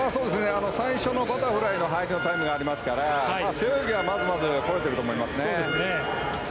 最初のバタフライの入りのタイムがありますから背泳ぎはまずまず来れてると思います。